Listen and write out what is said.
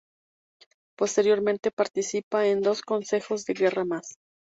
Posteriormente participa en dos consejos de guerra más.